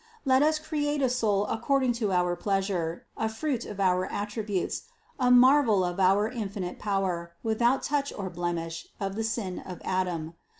Let Us create a soul according to our pleasure, a fruit of our attributes, a marvel of our in finite power, without touch or blemish of the sin of Adam.